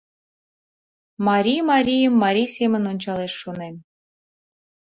Марий марийым марий семын ончалеш, шонем.